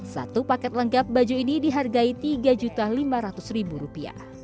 satu paket lengkap baju ini dihargai rp tiga lima ratus